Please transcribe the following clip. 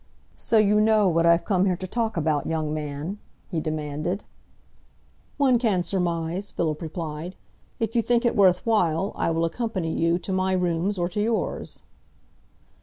"So you know what I've come here to talk about, young man?" he demanded. "One can surmise," Philip replied. "If you think it worth while, I will accompany you to my rooms or to yours."